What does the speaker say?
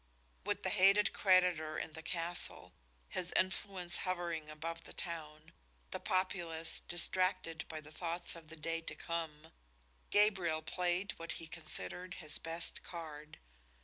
With the hated creditor in the castle, his influence hovering above the town, the populace distracted by the thoughts of the day to come, Gabriel played what he considered his best card.